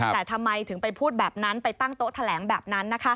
แต่ทำไมถึงไปพูดแบบนั้นไปตั้งโต๊ะแถลงแบบนั้น